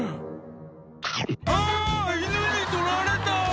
「あっ犬に取られた！」